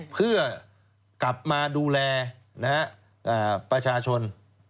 เพื่อกลับมาดูแลประชาชน